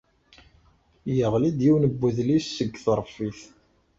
Yeɣli-d yiwen n wedlis seg tṛeffit.